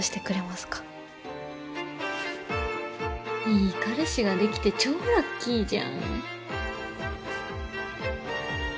いい彼氏ができて超ラッキーじゃん。